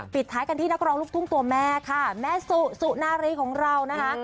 ปิดท้ายกันที่นักร้องลูกทุ่งตัวแม่ค่ะแม่สุสุนารีของเรานะคะ